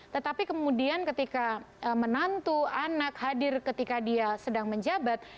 tetapi kemudian ketika menantu anak hadir ketika dia sedang menjabat